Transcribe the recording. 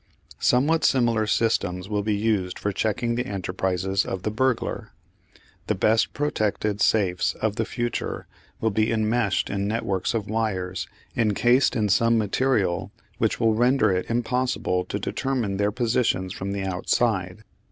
Somewhat similar systems will be used for checking the enterprises of the burglar. The best protected safes of the future will be enmeshed in networks of wires encased in some material which will render it impossible to determine their positions from the outside.